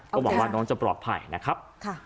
ก็หวังว่าน้องจะปลอดภัยนะครับ